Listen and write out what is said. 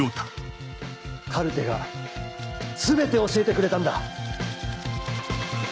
カルテが全て教えてくれたんだ！